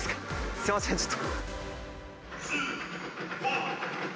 すみません、ちょっと。